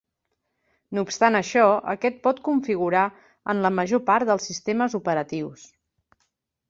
No obstant això, aquest pot configurar en la major part dels sistemes operatius.